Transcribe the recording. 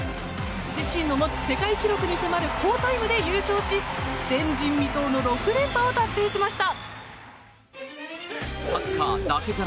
自身の持つ世界記録に迫る好タイムで優勝し前人未到の６連覇を達成しました。